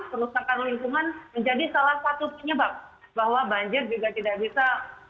kerusakan lingkungan menjadi salah satu penyebab bahwa banjir juga tidak bisa